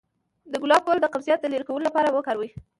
د ګلاب ګل د قبضیت د لرې کولو لپاره وکاروئ